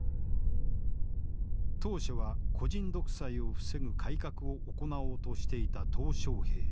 当初は個人独裁を防ぐ改革を行おうとしていた小平。